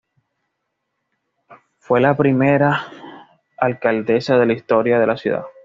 Fue la primera alcaldesa de la historia de la ciudad.